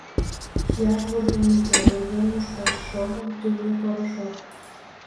Чияш вургем уке, вургем мушкаш — шовын, тӱрлӧ порошок.